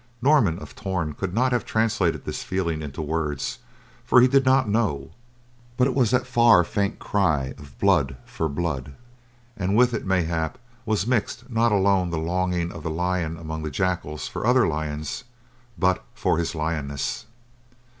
Norman of Torn could not have translated this feeling into words for he did not know, but it was the far faint cry of blood for blood and with it, mayhap, was mixed not alone the longing of the lion among jackals for other lions, but for his lioness.